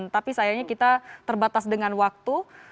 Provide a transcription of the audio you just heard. tapi sayangnya kita terbatas dengan waktu